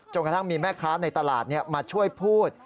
กระทั่งมีแม่ค้าในตลาดมาช่วยพูด